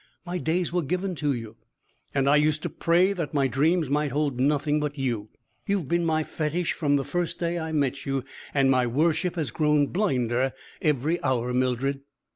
My days were given to you, and I used to pray that my dreams might hold nothing but you. You have been my fetish from the first day I met you, and my worship has grown blinder every hour, Mildred.